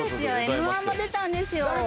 「Ｍ−１」も出たんですよ